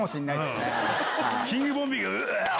キングボンビーがうわ！